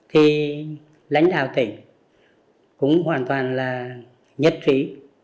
thì lãnh đạo tỉnh cũng hoàn toàn là nhất trí